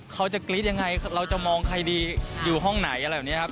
เขาจะกรี๊ดยังไงเราจะมองใครดีอยู่ห้องไหนอะไรแบบนี้ครับ